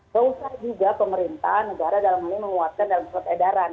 pengusaha juga pemerintahan negara dalam hal ini menguatkan dalam surat edaran